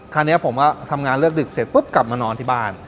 คราวนี้ผมก็ทำงานเลือกดึกเสร็จปุ๊บกลับมานอนที่บ้าน